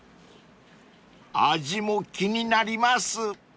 ［味も気になります］